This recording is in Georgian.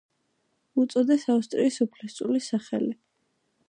უწოდეს ავსტრიის უფლისწულის სახელი.